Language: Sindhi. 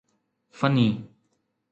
فني